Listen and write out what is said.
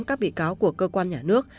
các bị cáo của cơ quan nhà nước